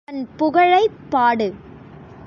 அவன் புகழைப் பாடு.